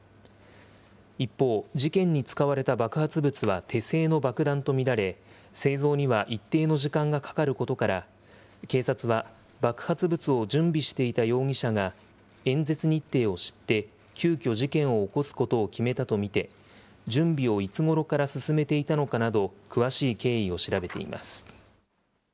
一方、事件に使われた爆発物は手製の爆弾と見られ、製造には一定の時間がかかることから、警察は爆発物を準備していた容疑者が演説日程を知って、急きょ事件を起こすことを決めたと見て、準備をいつごろから進めていたのかなど、詳しい経緯を調べています。